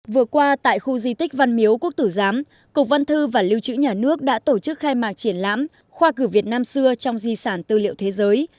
vừa qua tại khu di tích văn miếu quốc tử giám cục văn thư và lưu trữ nhà nước đã tổ chức khai mạc triển lãm khoa cử việt nam xưa trong di sản tư liệu thế giới